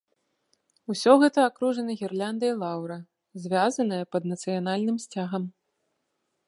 Усё гэта акружана гірляндай лаўра, звязаная пад нацыянальным сцягам.